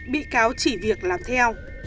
bị cáo chỉ việc làm theo